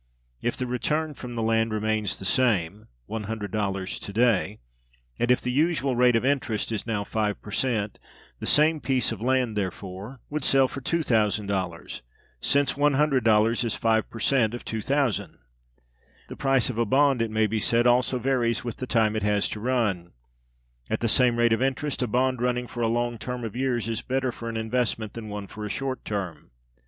If the return from the land remains the same ($100) to day, and if the usual rate of interest is now five per cent, the same piece of land, therefore, would sell for $2,000, since $100 is five per cent of $2,000. The price of a bond, it may be said, also varies with the time it has to run. At the same rate of interest, a bond running for a long term of years is better for an investment than one for a short term.